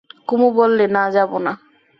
কুমু বললে, না, যাব না।